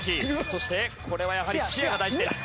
そしてこれはやはり視野が大事です。